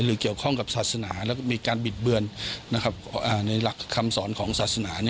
เกี่ยวข้องกับศาสนาแล้วก็มีการบิดเบือนในหลักคำสอนของศาสนา